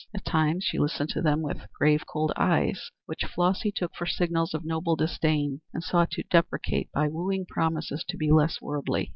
At times she listened to them with grave, cold eyes, which Flossy took for signals of noble disdain and sought to deprecate by wooing promises to be less worldly.